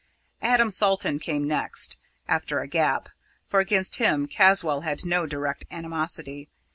Adam Salton came next after a gap; for against him Caswall had no direct animosity.